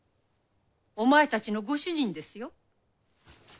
お前たちのご主人ですよ？